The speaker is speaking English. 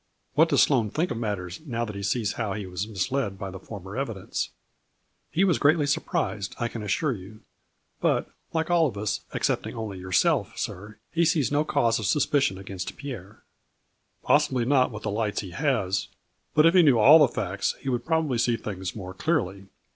What does Sloane think of matters now that he sees how he was misled by the former evidence ?" "He was greatly surprised, I can assure you, but, like all of us, excepting only yourself, sir, he sees no cause of suspicion against Pierre." " Possibly not with the lights he has, but if he knew all the facts he would probably see things more clearly.